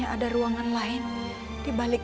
semua ada yang ngeluduk